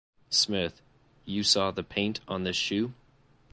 Smith, you saw the paint on this shoe?